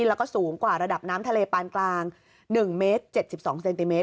แล้วก็สูงกว่าระดับน้ำทะเลปานกลาง๑เมตร๗๒เซนติเมต